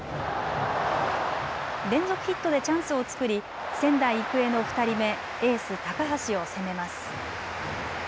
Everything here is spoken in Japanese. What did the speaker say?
連続ヒットでチャンスを作り仙台育英の２人目、エース・高橋を攻めます。